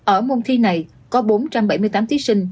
ở môn thi này có bốn trăm bảy mươi tám thí sinh